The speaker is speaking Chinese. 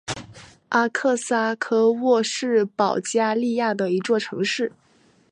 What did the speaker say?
阿克萨科沃是保加利亚的一座城市。